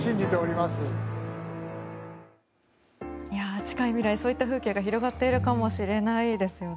近い未来そういった風景が広がっているかもしれないですよね。